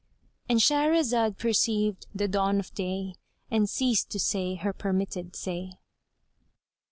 ——And Shahrazad perceived the dawn of day and ceased to say her permitted say.